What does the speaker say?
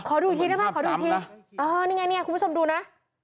ดูอีกทีได้ไหมขอดูอีกทีเออนี่ไงเนี่ยคุณผู้ชมดูนะ